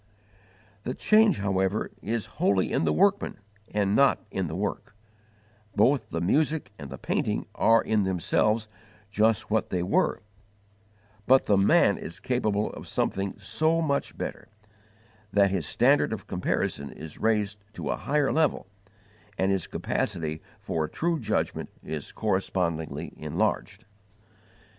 The change, however, is wholly in the workman and not in the work: both the music and the painting are in themselves just what they were, but the man is capable of something so much better, that his standard of comparison is raised to a higher level, and his capacity for a true judgment is correspondingly enlarged.